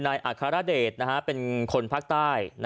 นายอัคราเดชเป็นคนพักใต้